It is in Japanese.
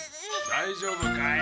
大丈夫かい？